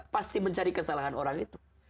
pasti mencari kesalahan orang itu